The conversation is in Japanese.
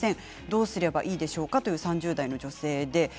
どうすればいいでしょうかという３０代の女性です。